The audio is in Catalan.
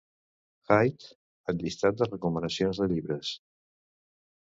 Hyde al llistat de recomanacions de llibres.